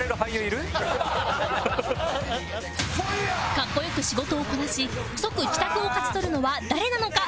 格好良く仕事をこなし即帰宅を勝ち取るのは誰なのか？